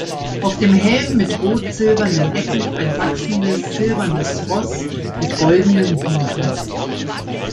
Auf dem Helm mit rot-silbernen Decken ein wachsendes silbernes Ross mit goldenen Hufen.